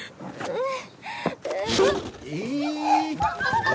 えっ？